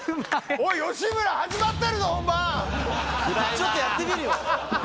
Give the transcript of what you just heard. おい、吉村、ちょっとやってみるよ。